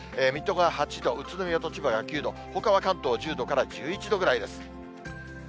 水戸が８度、宇都宮と千葉が９度、ほかは関東１０度から１１度ぐらいです。